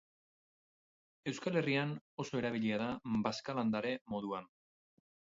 Euskal Herrian oso erabilia da bazka-landare moduan.